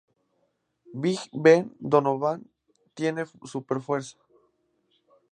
Big Ben Donovan tiene súper fuerza.